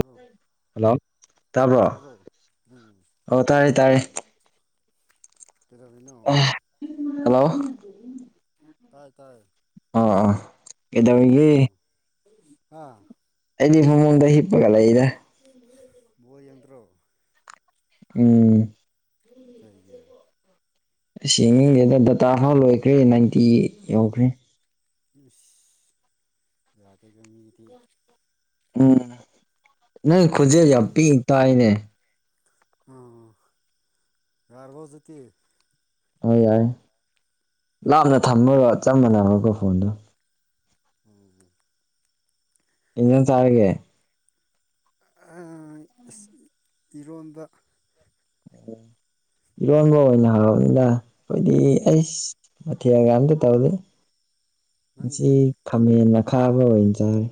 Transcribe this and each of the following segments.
hello ꯍꯜꯂꯥꯎ ꯇꯥꯕ꯭ꯔꯣ ꯎꯝ ꯑꯣ ꯇꯥꯢꯌꯦ ꯇꯥꯢꯌꯦ ꯀꯩꯗꯧꯔꯤꯅꯣ ꯍꯜꯂꯣꯑꯣ ꯇꯥꯏ ꯇꯥꯏꯌꯦ INAUDIBLE ꯀꯗꯧꯔꯤꯅꯣ ꯍꯥ ꯑꯩꯗꯤ ꯅꯪꯉꯣꯟꯗ ꯍꯤꯞꯄꯒ ꯂꯩꯔꯦ ꯌꯣꯜ ꯌꯦꯡꯗ꯭ꯔꯣ ꯎꯪ꯬꯬ ꯀꯩꯒꯤ ꯑꯥꯁ ꯌꯦꯡꯅꯤꯡꯗꯦꯗ ꯗꯇꯥ ꯍꯥꯞ ꯂꯣꯏꯈ꯭ꯔꯦ ꯅꯥꯏꯟꯇꯤ ꯌꯧꯈ꯭ꯔꯦ ꯏꯁ ꯌꯥꯗꯦꯀꯣ ꯃꯤꯗꯤ ꯎꯪ ꯅꯪ ꯈꯣꯟꯖꯦꯜ ꯌꯥꯝ ꯄꯤꯛꯅ ꯇꯥꯏꯅꯦ ꯑꯣꯑꯣ ꯌꯥꯔꯕꯣ ꯍꯧꯖꯤꯛꯇꯤ ꯑꯣ ꯌꯥꯢ ꯂꯥꯞꯅ ꯊꯝꯕꯒ ꯆꯞ ꯃꯥꯟꯅꯕ ꯀꯣ ꯐꯣꯟꯗꯣ ꯎꯪꯎꯪ ꯀꯩ ꯏꯟꯖꯥꯡ ꯆꯥꯔꯒꯦ ꯑꯥꯍ ꯏꯔꯣꯟꯕ ꯏꯔꯣꯟꯕ ꯑꯣꯏꯅ ꯍꯥꯎꯔꯅꯤꯗ ꯑꯩꯈꯣꯏꯗꯤ ꯑꯩꯁ ꯃꯊꯦꯜꯒ ꯑꯃꯇ ꯇꯧꯗꯦ ꯅꯪꯗꯤ ꯉꯁꯤ ꯈꯥꯃꯦꯟ ꯑꯈꯥꯕ ꯑꯣꯏꯅ ꯆꯥꯔꯦ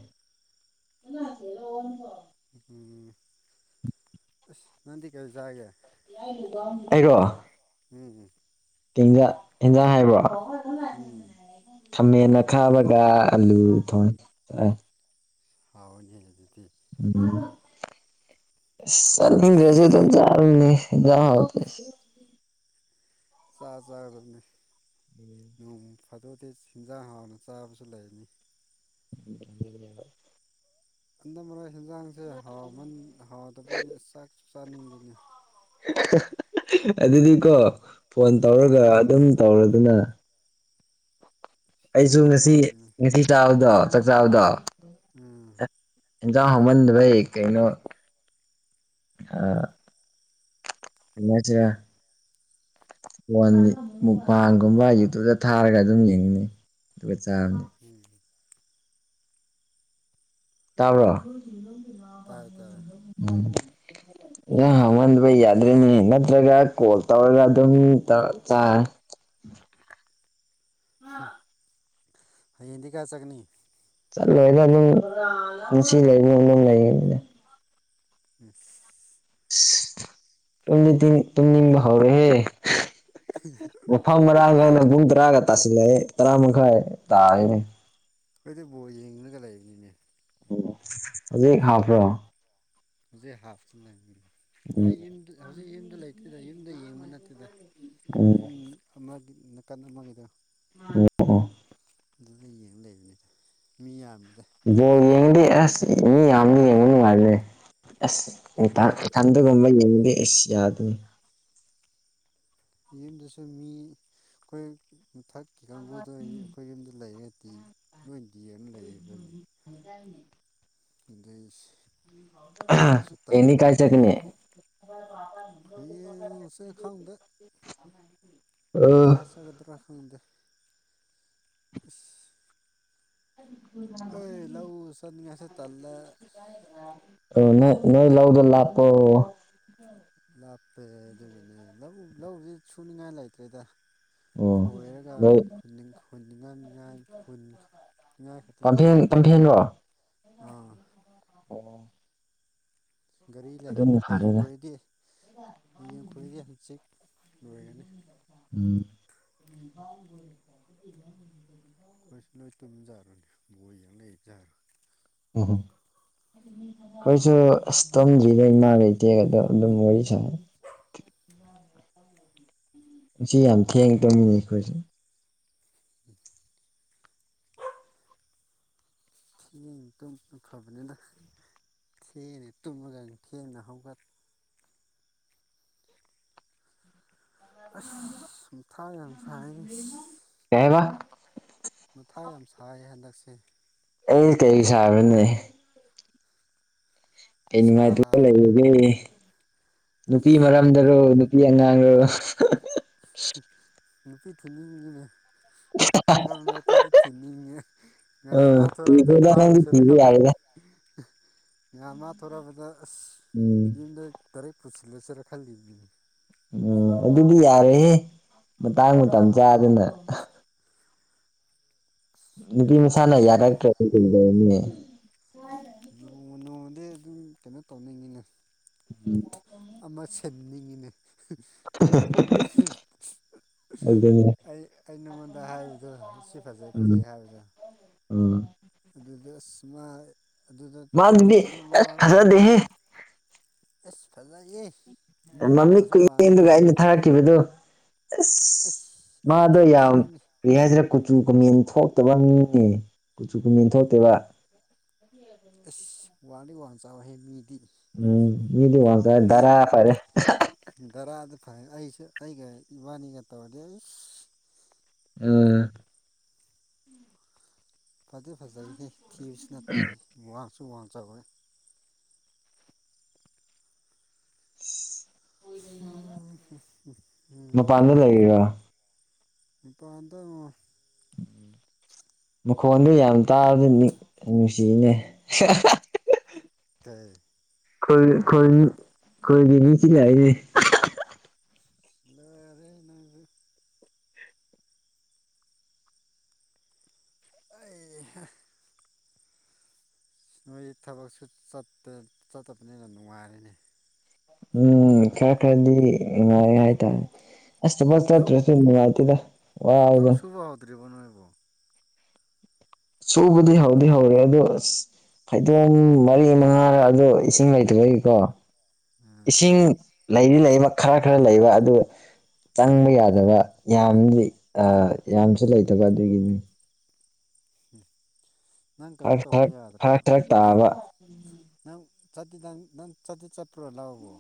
UNINTELLIGIBLE ꯎꯍꯨꯡ ꯑꯁ ꯅꯪꯗꯤ ꯀꯩ ꯆꯥꯔꯒꯦ UNINTELLIGIBLE UNINTELLIGIBLE ꯀꯧꯏꯟꯖꯥꯡ ꯏꯟꯖꯥꯡ ꯍꯥꯏꯕ꯭ꯔꯣ ꯎꯪ ꯈꯥꯃꯦꯟ ꯑꯈꯥꯕꯒ ꯑꯂꯨ ꯊꯣꯡꯏ ꯑꯥ ꯍꯥꯎꯏꯅꯦ ꯍꯧꯖꯤꯛꯇꯤ ꯑꯩꯁ ꯆꯠꯅꯤꯡꯗꯔ꯭ꯦꯗꯥ ꯏꯟꯗꯣꯝꯆꯥ ꯐꯝꯃꯤ ꯏꯟꯖꯥꯡ ꯍꯥꯎꯇꯦꯁꯤ ꯆꯥꯆꯥꯒꯗꯕꯅꯤ ꯅꯣꯡ ꯐꯥꯗꯣꯛꯇꯤ ꯍꯦꯟꯖꯥꯡ ꯍꯥꯎꯅ ꯆꯥꯕꯖꯨ ꯂꯩꯕꯅꯤ INAUDIBLE ꯍꯟꯗꯛ ꯃꯔꯛ ꯍꯟꯖꯥꯡꯖꯦ ꯍꯥꯎꯃꯟ ꯍꯥꯎꯗꯕꯒꯤ ꯆꯥꯛꯁꯨ ꯆꯥꯅꯤꯡꯗꯦꯅꯦ ꯑꯗꯨꯗꯤꯀꯣ ꯐꯣꯟ ꯎꯝ ꯇꯧꯔꯒ ꯑꯗꯨꯝ ꯇꯧꯔꯗꯅ ꯁꯤ ꯑꯩꯁꯨ ꯇꯧꯔꯁꯨ ꯉꯁꯤ ꯌꯥꯗꯦꯅꯦ ꯉꯁꯤ ꯆꯥꯕꯗꯣ ꯆꯥꯛ ꯆꯥꯕꯗꯣ ꯎꯝ ꯌꯦꯟꯖꯥꯡ ꯍꯧꯃꯟꯗꯕꯩ ꯀꯩꯅꯣ ꯑꯥ [unintelligible] ꯋꯟꯒꯤ ꯃꯨꯛꯄꯥꯡꯒꯨꯝꯕ ꯌꯨꯇꯨꯕꯇ ꯊꯥꯔꯒ ꯑꯗꯨꯝ ꯌꯦꯡꯉꯤꯅꯤ ꯃꯆꯥ ꯑꯃꯥ [unintelligible] ꯇꯥꯕ꯭ꯔꯣ ꯇꯥꯏ ꯇꯥꯏ ꯎꯝ ꯋꯥ ꯃꯟꯕꯩ ꯌꯥꯗ꯭ꯔꯦꯅꯦ ꯅꯠꯇ꯭ꯔꯒ ꯀꯣꯜ ꯇꯧꯔꯒ ꯑꯗꯨꯝ ꯇꯧꯔ ꯆꯥ ꯍꯌꯦꯡꯗꯤ ꯀꯥꯏ ꯆꯠꯀꯥꯅꯤ ꯆꯠꯂꯣꯏꯗ ꯅꯨꯡ ꯉꯥꯁꯤ ꯂꯩꯕ ꯒꯨꯝ ꯑꯗꯨꯝ ꯂꯩꯅꯤꯗ ꯎꯝ [unintelligible] ꯇꯨꯝꯗꯤ ꯇꯤꯡ ꯇꯨꯝꯅꯤꯡꯕ ꯍꯧꯔꯦꯍꯦ ꯐꯝ ꯃꯔꯥꯡ ꯈꯪꯗ ꯄꯨꯡ ꯇꯔꯥꯒ ꯇꯥꯁꯤꯜꯂꯛꯑꯦ ꯇꯔꯥ ꯃꯈꯥꯏ ꯇꯥꯔꯦꯅꯤ ꯑꯩꯗꯤ ꯕꯣꯜ ꯌꯦꯡꯅꯒ ꯂꯩꯅꯤꯅꯦ ꯑꯣ ꯍꯧꯖꯤꯛ ꯍꯥꯞꯄ꯭ꯔꯣ ꯍꯧꯖꯤꯛ ꯍꯥꯞꯇꯅ ꯎꯝ ꯑꯩ ꯌꯨꯝꯗ ꯍꯧꯖꯤꯛ ꯌꯨꯝꯗ ꯂꯩꯇꯦꯗ ꯌꯨꯝꯗ ꯌꯦꯡꯕ ꯅꯠꯇꯦꯗ ꯑꯩꯈꯣꯏ ꯎꯝ ꯌꯨꯝ ꯑꯃꯒꯤ ꯅꯥꯀꯟ ꯑꯃꯒꯤꯗ ꯑꯣ ꯑꯣ ꯑꯗꯨꯗ ꯌꯦꯡ ꯂꯩꯕꯅꯦ ꯃꯤ ꯌꯥꯝꯕꯗ ꯕꯣꯜ ꯌꯦꯡꯗꯦ ꯑꯁ ꯃꯤ ꯌꯥꯝꯗꯤ ꯌꯦꯡꯕ ꯅꯨꯡꯉꯥꯏꯕꯅꯦ ꯑꯁ ꯑꯗꯨꯅꯦ ꯏꯇꯪ ꯏꯊꯟ ꯑꯗꯨꯒꯨꯝꯕ ꯌꯦꯡꯕꯗꯤ ꯑꯦꯁ ꯌꯥꯗꯅꯤ ꯌꯨꯝꯗꯁꯨ ꯃꯤ ꯈꯣꯏ ꯃꯊꯛ ꯀ ꯀꯥꯡꯕꯨꯗ ꯑꯩꯈꯣꯏ ꯌꯨꯝꯗ ꯂꯩꯔꯗꯤ ꯅꯣꯏ ꯗꯤꯑꯦꯝ ꯂꯩꯌꯦ ꯑꯈꯣꯏꯗꯤ [inaudible] ꯑꯗꯩ ꯌꯨꯝꯗꯁꯨ ꯍꯌꯦꯡꯗꯤ ꯀꯥꯏ ꯇꯟꯗꯕ ꯆꯠꯀꯅꯤ ꯍꯥꯌꯦꯡꯁꯦ ꯈꯪꯗꯦ ꯑꯥ ꯈꯁ ꯒꯗ꯭ꯔꯥ ꯈꯪꯗꯦ ꯏꯁ [inaudible] ꯑꯩ ꯂꯧꯎ ꯆꯟꯅꯤꯡꯉꯁꯦ ꯇꯜꯂꯦ ꯑꯣ ꯅ ꯅꯣꯏ ꯂꯧꯗ ꯂꯥꯞꯄꯣ ꯂꯥꯞꯄꯦ ꯑꯗꯨꯒꯤꯅꯤ ꯂꯧ ꯂꯧꯁꯤ ꯁꯨꯅꯤꯡꯉꯥꯏ ꯂꯩꯇ꯭ꯔꯦꯗ ꯑꯣ ꯈꯣꯏꯔꯒ ꯅꯣꯏ ꯍꯨꯅꯤꯉꯤꯡ ꯍꯨꯅꯤꯡꯉꯝꯅꯤꯉꯥꯏ ꯈꯨꯟ ꯉꯥꯏ ꯈꯛꯇ ꯉꯥꯏ ꯄꯥꯝꯐꯦꯟ ꯄꯥꯝꯐꯦꯟꯔꯣ [unintelligible] ꯑꯥ ꯑꯣ ꯒꯥꯔꯤ ꯂꯩꯔꯤꯗꯤ ꯍꯌꯦꯡ ꯐꯔꯦꯗ ꯈꯣꯏꯔꯗꯤ ꯍꯌꯦꯡ ꯈꯣꯏꯔꯗꯤ ꯍꯪꯆꯤꯛ ꯂꯣꯏꯒꯅꯤ ꯎꯝ ꯑꯩꯈꯣꯏꯁꯨ ꯂꯣꯏ ꯇꯨꯝꯖꯥꯔꯅꯤ ꯕꯣꯏ ꯌꯥ ꯂꯩꯖꯔꯣꯏ ꯑꯣꯍꯣ ꯈꯣꯏꯁꯨ ꯑꯁ ꯇꯝꯗ꯭ꯔꯤꯉꯩ ꯏꯃꯥ ꯂꯩꯇꯦꯒꯗ ꯑꯗꯨꯝ ꯋꯥꯔꯤ ꯁꯥꯏ ꯁꯤ ꯌꯥꯝ ꯊꯦꯡꯉ ꯇꯧꯃꯤꯅꯦ ꯑꯩꯈꯣꯏꯁꯦ [inaudible] ꯊꯦꯡꯅ ꯇꯨꯝ ꯐꯕꯅꯤꯅ ꯊꯦꯡꯉ ꯇꯨꯝꯃꯒ ꯊꯦꯡꯅ ꯍꯧꯒꯠ ꯑꯁ ꯃꯊꯥ ꯌꯥꯝ ꯁꯥꯏꯗ ꯀꯩꯕ ꯃꯊꯥ ꯌꯥꯝ ꯁꯥꯏ ꯍꯟꯗꯛꯁꯦ ꯑꯩ ꯀꯩ ꯁꯥꯕ꯭ꯔꯅꯦ ꯀꯩ ꯄꯩꯁꯥ ꯅꯨꯡꯉꯥꯏꯇꯕ ꯂꯩꯔꯒꯦ ꯅꯨꯄꯤ ꯑꯁ ꯀꯔꯤ ꯃꯔꯝꯗꯔꯣ ꯅꯨ ꯄꯤ ꯑꯉꯥꯡꯔꯣ ꯅꯨꯄꯤ ꯊꯤꯅꯤꯡꯉꯤꯅꯦ ꯃꯔꯛ ꯃꯔꯛꯇꯗꯤ ꯊꯤꯅꯤꯡꯉꯦ ꯉꯍꯥꯟ ꯑꯥ ꯃꯥ ꯊꯣꯔꯛꯗꯣ ꯊꯤꯈ꯭ꯔꯣꯗ ꯅꯪꯗꯤ ꯐꯥꯔꯨꯁꯤꯔ ꯊꯤꯕ ꯈꯜꯂꯦ ꯌꯥꯔꯦꯗ ꯉꯍꯥꯟ ꯃꯥ ꯊꯣꯔꯛꯕꯗ ꯑꯁ ꯎꯝ ꯌꯨꯝꯗ ꯒꯔꯤ ꯄꯨꯁꯤꯂ ꯆꯔ ꯈꯟꯂꯤꯃꯤ ꯎꯝ ꯑꯗꯨꯗꯤ ꯌꯥꯔꯦꯍꯦ ꯃꯇꯥꯡ ꯃꯇꯝ ꯆꯥꯗꯅ ꯅꯨꯄꯤ ꯃꯁꯥꯅ ꯌꯥꯔꯛꯇ꯭ꯔꯗꯤ ꯀꯩꯗꯧꯔꯨꯅꯤ ꯅꯣꯡꯃ ꯅꯣꯡꯃꯗꯤ ꯑꯗꯨꯝ ꯀꯩꯅꯣ ꯇꯧꯅꯤꯡꯉꯤꯅ [inaudible] ꯑꯃ ꯁꯤꯟꯅꯤꯡꯉꯤꯅꯦ ꯑꯁ ꯑꯗꯨꯅꯤ ꯑꯩ ꯑꯩ ꯅꯉꯣꯟꯗ ꯍꯥꯏꯕꯗꯣ ꯑꯁꯤ ꯐꯖꯩ ꯐꯖꯩ ꯍꯥꯏꯕꯗꯣ ꯑ ꯑꯗꯨꯗ ꯑꯁ ꯃꯥ ꯑꯗꯨꯗ ꯃꯥꯗꯨꯗꯤ ꯑꯗꯨꯝ ꯉꯥꯎꯔ ꯂꯩꯔꯦꯅꯦ ꯐꯖꯗꯦꯍꯦ ꯑꯁ ꯐꯖꯩꯌꯦ ꯃꯤ ꯃꯃꯤꯠ ꯋꯥꯡꯁꯨ ꯋꯥꯡꯉꯦ ꯀꯨꯏꯌꯦꯡꯗꯨꯒ ꯑꯩꯅ ꯊꯥꯔꯛꯈꯤꯕꯗꯣ ꯑꯁ ꯑꯁ ꯃꯥꯗꯣ ꯑꯗꯨꯗꯤ ꯌꯥꯝ ꯀꯩꯅꯣꯅꯤ ꯀ꯭ꯔꯤ ꯍꯥꯏꯁꯤꯔꯥ ꯀꯨꯆꯨ ꯀꯨꯃꯦꯟ ꯊꯣꯛꯇꯕ ꯃꯤꯅꯦ ꯀꯨꯆꯨ ꯀꯨꯃꯦꯟ ꯊꯣꯛꯇꯦꯕ ꯑꯁ ꯋꯥꯡꯗꯤ ꯋꯥꯡ ꯆꯥꯎꯋꯦꯍꯦ ꯃꯤꯗꯤ ꯎꯝ ꯃꯤꯗꯤ ꯋꯥꯡ ꯆꯥꯎꯔꯦ ꯅꯦꯝ ꯙꯔꯥ ꯐꯔꯦ ꯙꯔꯥꯗ ꯐꯩ ꯑꯩꯁꯨ ꯑꯩꯒ ꯏꯕꯥꯅꯤꯒ ꯇꯧꯔꯗꯤ ꯑꯩꯁ ꯑ ꯐꯗꯤ ꯐꯖꯩꯍꯦ ꯊꯤꯕꯁꯨ ꯅꯠꯇꯦꯍꯦ ꯋꯥꯡꯁꯨ ꯋꯥꯡ ꯆꯥꯎꯋꯦ [inaudible] ꯃꯄꯥꯟꯗ ꯂꯩꯔꯤꯔꯣ [inaudible] ꯏꯄꯥꯟꯗꯉꯣ ꯃꯈꯣꯟꯗꯨ ꯌꯥꯝ ꯇꯥꯕꯗ ꯅꯤꯛ ꯅꯨꯡꯁꯤꯅꯦ ꯇꯩ ꯈꯨꯜ ꯈꯨꯜ ꯈꯣꯏꯒꯤ ꯃꯤ [unintelligible] ꯂꯔꯦꯍꯦ ꯅꯪꯖꯨ ꯑꯩꯍꯥ ꯅꯣꯏꯗꯤ ꯊꯕꯛꯁꯨ ꯆꯠꯇꯦ ꯆꯠꯇꯕꯅꯤꯅ ꯅꯨꯡꯉꯥꯏꯔꯦꯅꯦ ꯎꯝ ꯈꯔ ꯈꯔꯗꯤ ꯅꯨꯡꯉꯥꯏꯌꯦ ꯍꯥꯏꯇꯥꯔꯦ ꯑꯁ ꯊꯕꯛ ꯂꯧ ꯆꯠꯇ꯭ꯔꯁꯨ ꯅꯨꯡꯉꯥꯏꯇꯦꯗ ꯋꯥꯏꯌꯦꯗ ꯇ꯭ꯔꯤꯕꯣ ꯅꯣꯏꯕꯣ ꯁꯨꯕꯗꯤ ꯍꯧꯗꯤ ꯍꯧꯔꯦ ꯑꯗꯣ ꯑꯁ ꯐꯩꯗꯣꯝ ꯃꯔꯤ ꯃꯉꯥꯔ ꯑꯗꯣ ꯏꯁꯤꯡ ꯂꯩꯇꯕꯒꯤꯀꯣ ꯎꯝ ꯏꯁꯤꯡ ꯂꯩꯗꯤ ꯂꯩꯕ ꯈꯔ ꯈꯔ ꯂꯩꯕ ꯑꯗꯨ ꯆꯪꯕ ꯌꯥꯗꯕ ꯌꯥꯝꯗꯤ ꯑ ꯌꯥꯝꯁꯨ ꯂꯩꯇꯕ ꯑꯗꯨꯒꯤꯅꯤ ꯅꯪ ꯀꯩꯅꯣ ꯐꯔꯛ ꯇꯧꯕ ꯐꯔꯛ ꯌꯥꯗ꯭ꯔꯣ ꯐꯔꯛ ꯐꯔꯛ ꯇꯥꯕ ꯅꯪ ꯆꯠꯇꯤ ꯅꯪ ꯅꯪ ꯆꯠꯇꯤ ꯆꯠꯄ꯭ꯔꯣ ꯂꯧꯕꯕꯣ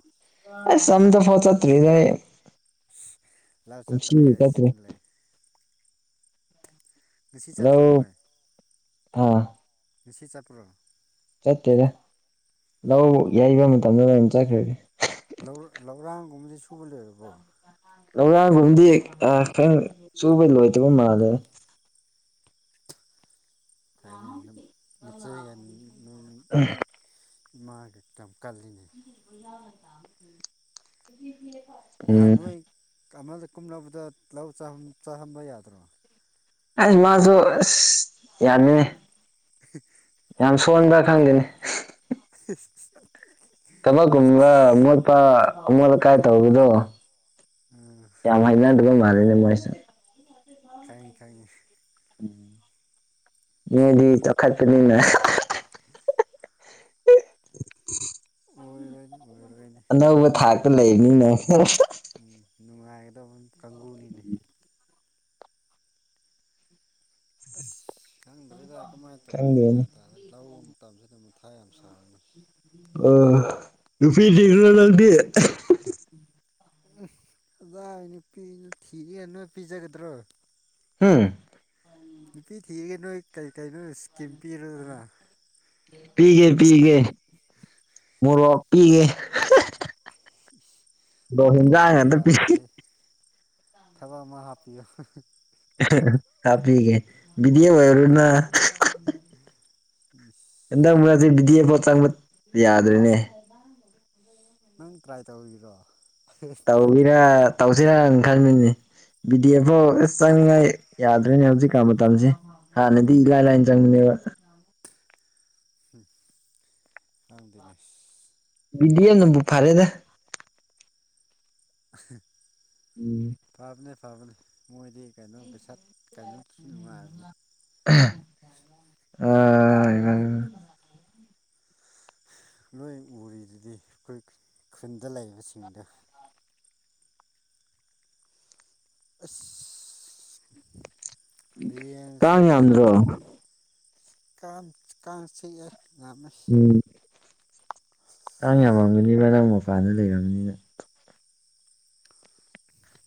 ꯑꯁꯥꯝꯗ ꯐꯥꯎ ꯆꯠꯇ꯭ꯔꯤꯌꯦ ꯂꯥꯢꯠ ꯆꯠꯇ꯭ꯔꯒ ꯆꯠꯇ꯭ꯔꯤ ꯏꯁꯤꯡ ꯂꯩ ꯉꯁꯤ ꯆꯠꯇ꯭ꯔꯣ ꯂꯧ ꯅꯣꯢ ꯑꯥ ꯉꯁꯤ ꯆꯠꯄ꯭ꯔꯣ ꯆꯠꯇꯦꯗ ꯂꯧ ꯌꯩꯕ ꯃꯇꯝꯗ ꯑꯣꯏꯅ ꯆꯠꯈ꯭ꯔꯒꯦ ꯂꯧ ꯂꯧꯔꯥꯡꯒꯨꯝꯕꯖꯤ ꯁꯨ ꯂꯩꯔꯕꯣ ꯂꯧꯔꯥꯡꯒꯨꯝꯗꯤ ꯑꯥ ꯈꯔ ꯁꯨꯕ ꯂꯣꯏꯗꯕ ꯃꯥꯜꯂꯦ UNINTELLIGIBLE ꯏꯃꯥꯗꯤ ꯀꯞꯀꯜꯂꯤꯅꯦ UNINTELLIGIBLE ꯉꯍꯥꯟ ꯅꯣꯏ ꯀꯃꯜꯗ ꯀꯨꯝꯂꯛꯄꯗꯣ ꯂꯧ ꯆꯪ ꯆꯥꯍꯟꯕ ꯌꯥꯗ꯭ꯔꯣ ꯑꯩ ꯃꯥꯖꯨ ꯑꯥꯁ ꯌꯥꯅꯤꯅꯦ INAUDIBLE ꯌꯥꯝ ꯁꯣꯟꯕ꯭ꯔꯥ ꯈꯪꯗꯦꯅꯦ INAUDIBLE ꯊꯕꯛ ꯀꯨꯝꯕ ꯃꯣꯠꯄꯥ ꯑꯃꯣꯠ-ꯑꯀꯥꯏ ꯇꯧꯕꯗꯣ INAUDIBLE ꯌꯥꯝ ꯍꯩꯅꯗꯕ ꯥꯜꯂꯦꯅꯦ ꯃꯣꯏꯁꯦ ꯈꯪꯉꯤ ꯈꯪꯉꯤ ꯃꯤꯗꯤ ꯆꯥꯎꯈꯠꯄꯅꯤꯅ INAUDIBLE INAUDIBLE ꯑꯣꯏꯔꯣꯢꯅꯦ ꯑꯅꯧꯕ ꯊꯥꯛꯇ ꯂꯩꯕꯅꯤꯅ ꯎꯪ ꯅꯨꯡꯉꯥꯏꯒꯗꯧꯕ ꯀꯥꯡꯕꯨꯨꯅꯤꯅꯦ ꯑꯥꯁ ꯈꯪꯗ꯭ꯔꯦꯗ ꯀꯃꯥꯏꯅ ꯇꯧꯅꯤ ꯈꯪꯗꯦꯅꯦ ꯒ꯭ꯌꯥꯟ ꯇꯥꯗ꯭ꯔꯦ ꯂꯧ ꯃꯇꯝꯖꯤꯗ ꯃꯊꯥ ꯌꯥꯝ ꯁꯥꯢꯅꯦ ꯑꯥ ꯅꯨꯄꯤ ꯊꯤꯔꯨꯅꯨ ꯅꯪꯗꯤ ꯎꯪꯈ ꯀꯗꯥꯢꯗꯒꯤ ꯅꯨꯄꯤꯗꯨ ꯊꯤꯒꯦ ꯅꯣꯏ ꯄꯤꯖꯒꯗ꯭ꯔꯣ ꯍꯨꯡ ꯅꯨꯄꯤ ꯊꯤꯔꯒꯦ ꯅꯣꯏ ꯀꯔꯤ ꯀꯩꯅꯣ ꯏꯁꯀꯤꯝ ꯄꯤꯔꯒꯦꯔ ꯄꯤꯒꯦ ꯄꯤꯒꯦ ꯃꯣꯔꯣꯛ ꯄꯤꯒꯦ ꯃꯣꯔꯣꯛ ꯍꯦꯟꯖꯥꯡ ꯃꯣꯔꯣꯛꯑꯗꯤ ꯉꯥꯛꯇ ꯄꯤꯒꯦ ꯌꯥꯔꯣꯏꯍꯦ ꯊꯕꯛ ꯑꯃ ꯍꯥꯞꯄꯤꯌꯨ ꯍꯥꯞꯄꯤꯒꯦ ꯕꯤꯗꯤꯑꯦꯐ ꯑꯣꯢꯔꯣꯗꯅ INAUDIBLE ꯍꯟꯗꯛ-ꯃꯔꯛꯁꯤ ꯕꯤ ꯗꯤ ꯑꯦꯐ ꯆꯪꯕ ꯌꯥꯗ꯭ꯔꯦꯅꯦ ꯅꯪ ꯇ꯭ꯔꯥꯏ ꯇꯧꯔꯤꯔꯣ ꯇꯧꯒꯦꯔ ꯇꯧꯖꯤꯔ ꯈꯜꯃꯤꯅꯤ ꯕꯤ ꯗꯤ ꯑꯦꯐ ꯐꯥꯎ ꯑꯥꯁ ꯆꯪꯅꯤꯉꯥꯏ ꯌꯥꯗ꯭ꯔꯦꯅꯦ ꯍꯧꯖꯤꯛꯀꯥꯟ ꯃꯇꯝꯖꯦ ꯍꯥꯟꯅꯗꯤ ꯏꯂꯥꯏ ꯂꯥꯢꯅ ꯆꯪꯕꯅꯦꯕ UNINTELLIGIBLE ꯕꯤꯗꯤ ꯑꯦꯐꯅꯕꯨ ꯐꯔꯦꯗ INAUDIBLE INAUDIBLE ꯐꯕꯅꯦ ꯐꯕꯅꯦ ꯃꯣꯏꯗꯤ ꯀꯩꯅꯣ ꯄꯩꯁꯥ ꯀꯩꯅꯣꯗꯨꯁꯨ ꯅꯨꯡꯉꯥꯏꯕꯅꯤ ꯎ ꯅꯣꯏ ꯎꯔꯤꯗꯨꯗꯤ ꯑꯩꯈꯣꯏ ꯈꯨꯟꯗ ꯂꯩꯕꯁꯤꯡꯗ ꯑꯥꯁ ꯍꯌꯦꯡꯁꯦ ꯀꯥꯡ ꯌꯥꯝꯗ꯭ꯔꯣ ꯀꯥꯝ ꯀꯥꯡ ꯆꯤꯛꯑꯦ [unintelligible] ꯎꯝ ꯆꯥꯡ ꯌꯥꯝꯃꯝꯒꯅꯤꯕ ꯅꯪ ꯃꯄꯥꯟꯗ ꯂꯩꯔꯝꯅꯤꯅ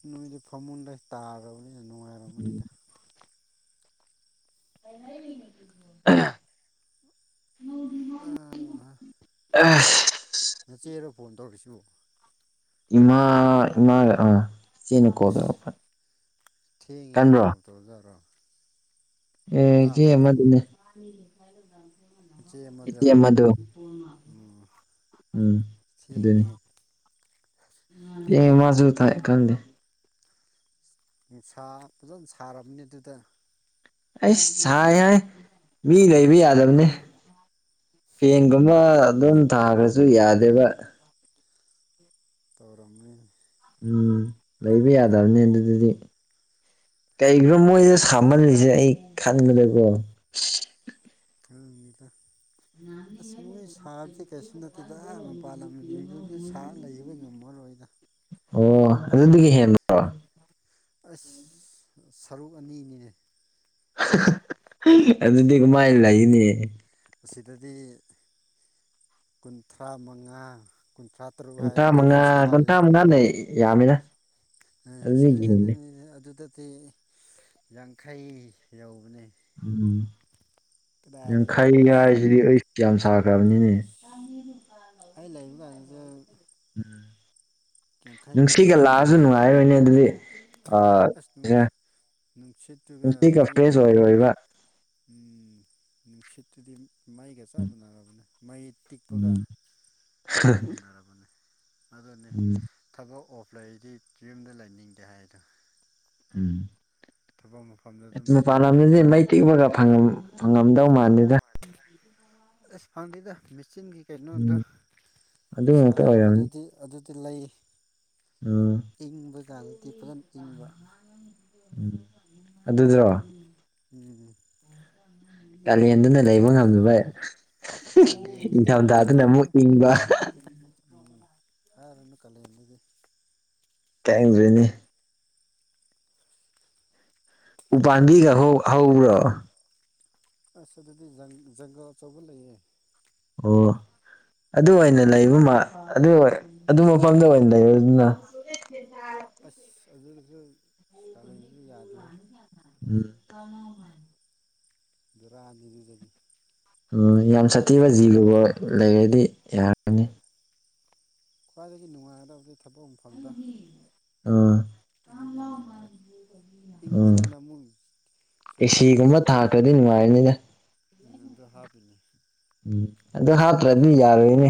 ꯅꯣꯏꯗꯤ ꯐꯃꯨꯟꯗ ꯇꯥꯔꯕꯅꯤꯅ ꯅꯨꯡꯉꯥꯏꯔꯕꯅꯤꯗ ꯑꯥ ꯑꯁ ꯅꯆꯦꯔꯣ ꯐꯣꯟ ꯇꯧꯔꯛꯁꯤꯕꯨ ꯏꯃꯥ ꯏꯃꯥꯒ ꯑꯥ ꯆꯆꯦꯅ ꯀꯣꯜ ꯑꯁ ꯇꯧꯔꯛꯄ ꯀꯟꯕ꯭ꯔꯣ ꯇꯣ ꯖꯥꯔꯣ ꯑꯦ ꯀꯦ ꯑꯃꯗꯨꯅꯦ ꯏꯆꯦ ꯃꯗꯨꯎ ꯏꯆꯦ ꯑꯃꯗꯣ ꯎꯝ ꯎꯝ ꯊꯦꯡꯉꯦꯍꯦ ꯑꯦ ꯃꯥꯁꯨ ꯊꯏ ꯈꯪꯗꯦ ꯅꯨꯡꯁꯥ ꯐꯖꯅ ꯁꯥꯔꯕꯅꯤ ꯑꯗꯨꯗ ꯑꯩꯁ ꯁꯥꯏ ꯌꯥ ꯃꯤ ꯂꯩꯕ ꯌꯥꯗꯕꯅꯤ ꯐꯦꯡꯒꯨꯝꯕ ꯑꯗꯨꯝ ꯊꯥꯈ꯭ꯔꯁꯨ ꯌꯥꯗꯦꯕ ꯇꯧꯔꯝꯅꯤ ꯎꯝ ꯂꯩꯕ ꯌꯥꯗꯕꯅꯤ ꯑꯗꯨꯗꯤ ꯀꯔꯤꯒꯤꯅꯣ ꯃꯣꯏꯗ ꯁꯥꯝꯍꯜꯂꯤꯁꯦ ꯑꯩ ꯈꯟꯕꯅꯦꯀꯣ ꯈꯪꯅꯤꯗꯥ ꯑꯁ ꯃꯣꯏ ꯁꯥꯕꯁꯤ ꯀꯩꯁꯨ ꯅꯠ ꯇꯦꯗ ꯃꯄꯥꯟ ꯂꯝꯁꯤꯡꯗꯨꯗꯤ ꯁꯥ ꯂꯩꯕ ꯉꯝꯃꯔꯣꯏꯗ ꯑꯣ ꯑꯗꯨꯗꯒꯤ ꯍꯦꯟꯕ ꯑꯁ ꯁꯔꯨꯛ ꯑꯅꯤꯅꯤꯅꯦ ꯑꯗꯨꯗꯤ ꯀꯃꯥꯏꯅ ꯂꯩꯒꯅꯤ ꯑꯁꯤꯗꯗꯤ ꯀꯨꯟꯊ꯭ꯔꯥ ꯃꯉꯥ ꯀꯨꯟꯊ꯭ꯔꯥ ꯇꯔꯨꯛ ꯀꯨꯟꯊ꯭ꯔꯥ ꯍꯥꯏꯔꯗꯤ ꯃꯉꯥ ꯐꯖꯅ ꯀꯨꯟꯊ꯭ꯔꯥ ꯃꯉꯥꯂꯩ ꯌꯥꯝꯃꯤꯅ ꯑ ꯑꯗꯨꯗꯒꯤ ꯁꯤꯗꯗꯤ ꯍꯦꯜꯂꯦ ꯑꯗꯨꯅꯤꯗ ꯑꯗꯨꯗꯗꯤ ꯌꯥꯡꯈꯩ ꯌꯧꯕꯅꯦ ꯎꯝ ꯀꯗꯥꯏꯗꯒꯤ ꯌꯥꯡꯈꯩ ꯃꯤ ꯁꯤ ꯍꯥꯏꯁꯤꯗꯤ ꯑꯩ ꯌꯥꯝ ꯁꯥꯈ꯭ꯔꯕꯅꯤꯅꯦ ꯑꯁ ꯑꯩ ꯂꯩꯕ ꯀꯥꯟꯗꯨꯗ ꯎꯝ ꯌꯥꯡꯈꯩ ꯅꯨꯡꯁꯤꯒ ꯂꯥꯛꯑꯁꯨ ꯌꯧꯗꯧꯕꯅꯤ ꯅꯨꯡꯉꯥꯏꯔꯣꯏꯅꯦ ꯑꯗꯨꯗꯤ ꯑ ꯑꯁ ꯁꯦ ꯅꯨꯡꯁꯤꯠꯇꯨꯒ ꯅꯨꯡꯇꯤ ꯀ ꯃꯩ ꯐ꯭ꯔꯦꯁ ꯎ ꯑꯣꯏꯔꯣꯏꯕ ꯎꯝ ꯅꯨꯡꯁꯤꯠꯇꯨꯗꯤ ꯃꯩꯒ ꯆꯞ ꯃꯥꯟꯅꯔꯕꯅꯦ ꯃꯩ ꯇꯤꯛꯄꯒ ꯎꯝ ꯆꯞ ꯃꯥꯟꯅꯔꯕꯅꯦ ꯑꯗꯨꯅꯦ ꯎꯝ ꯊꯕꯛ ꯑꯣꯐ ꯂꯩꯗꯤ ꯌꯨꯝꯗ ꯂꯩꯅꯤꯡꯗꯦ ꯍꯥꯏꯗꯣ ꯎꯝ ꯊꯕꯛ ꯃꯐꯝ ꯃꯄꯥꯟ ꯂꯝꯗꯗꯤ ꯃꯩ ꯇꯤꯛꯄꯒ ꯐꯪꯉꯝ ꯐꯪꯉꯝꯗꯧ ꯃꯥꯟꯗꯦꯗ ꯏꯁ ꯐꯪꯗꯦꯗ ꯃꯦꯆꯤꯟꯒꯤ ꯎꯝ ꯀꯩꯅꯣꯗꯣ ꯑꯗꯨ ꯁꯥ ꯉꯥꯛꯇ ꯑꯣꯏꯔꯝꯅꯤ ꯑꯗꯨꯗꯤ ꯑꯗꯨꯗꯤ ꯂꯩ ꯎꯝ ꯏꯪꯕ ꯀꯥꯟꯗꯗꯤ ꯐꯖꯟ ꯏꯪꯕ ꯎꯝ ꯑꯗꯨꯗꯨꯔꯣ ꯎꯝ ꯀꯥꯂꯦꯟꯗꯅ ꯂꯩꯕ ꯉꯝꯗꯕ ꯀꯥꯂꯦꯟꯗꯗꯤ ꯑꯩꯁ ꯏꯪꯊꯝꯊꯥꯗꯨꯅ ꯑꯃꯨꯛ ꯍꯥꯏꯔꯅꯨ ꯏꯪꯕ ꯎꯝ ꯍꯥꯏꯔꯅꯨ ꯀꯥꯂꯦꯟ ꯗꯗꯤ ꯈꯪꯗ꯭ꯔꯦꯅꯦ ꯎꯄꯥꯟꯕꯤꯒ ꯈꯪꯗꯦꯗ ꯍꯧ ꯍꯧꯕ꯭ꯔꯣ ꯑꯁ ꯑꯗꯨꯗꯤ ꯖꯪ ꯖꯪꯒꯜ ꯑꯆꯧꯕ ꯂꯩꯌꯦ ꯑꯣ ꯑꯗꯨ ꯑꯣꯏꯅ ꯂꯩꯕꯃꯥ ꯑꯗꯨ ꯑꯗꯨ ꯃꯐꯝꯗ ꯑꯣꯏꯅ ꯂꯩꯔꯣꯗꯅ ꯑꯁ ꯑꯗꯨꯁꯨ ꯀꯥꯂꯦꯟꯗꯗꯤ ꯌꯥꯗꯦꯍꯦ ꯎꯝ [inaudible] ꯖꯨꯔꯥ ꯅꯤꯗꯨꯗꯗꯤ ꯑꯣ ꯌꯥꯝ ꯁꯥꯊꯤꯕ ꯖꯤꯕꯒ ꯂꯩꯔꯗꯤ ꯌꯥꯔꯅꯤ ꯈ꯭ꯋꯥꯏꯗꯒꯤ ꯅꯨꯡꯉꯥꯏꯒꯗꯕꯗꯤ ꯊꯕꯛ ꯃꯐꯝꯗ ꯎꯝ ꯑꯗꯨꯅ ꯅꯨꯡꯉꯥꯏꯔꯦ ꯏꯪ ꯎꯝ ꯃꯟꯗꯅ ꯑꯃꯨꯛ ꯁ꯭ꯋꯦꯇꯔ ꯂꯤꯠꯂꯤꯅꯤ ꯀꯩꯅꫭ ꯅꯨꯡꯉꯥꯏꯅꯤꯗ ꯎꯝ ꯑꯗꯨ ꯍꯥꯞꯄꯤꯅꯦ ꯎꯝ ꯑꯗꯨ ꯍꯥꯞꯇ꯭ꯔꯗꯤ ꯌꯥꯔꯣꯏꯅꯦ